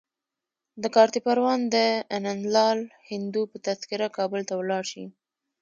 د کارته پروان د انندلال هندو په تذکره کابل ته ولاړ شي.